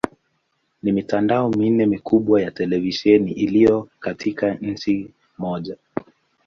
Ni mitandao minne mikubwa ya televisheni iliyo katika nchi moja.